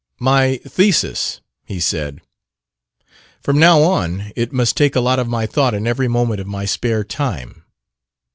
"My thesis," he said. "From now on, it must take a lot of my thought and every moment of my spare time."